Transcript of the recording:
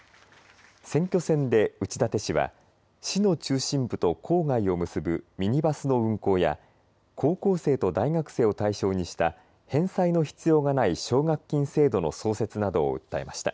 選挙戦で内舘氏は市の中心部と郊外を結ぶミニバスの運行や高校生と大学生を対象にした返済の必要がない奨学金制度の創設などを訴えました。